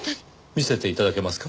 見せて頂けますか？